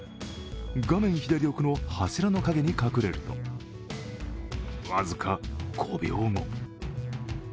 画面左奥の柱の陰に隠れると、僅か５秒後。